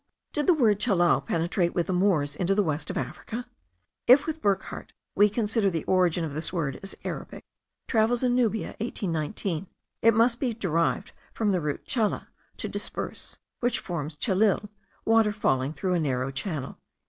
Did the word chellal penetrate with the Moors into the west of Africa? If, with Burckhardt, we consider the origin of this word as Arabic (Travels in Nubia, 1819), it must be derived from the root challa, to disperse, which forms chelil, water falling through a narrow channel.)